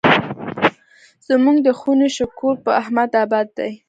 زموږ د خونې شکور په احمد اباد دی.